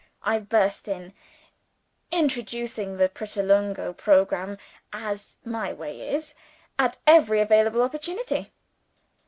I burst in; introducing the Pratolungo programme (as my way is) at every available opportunity.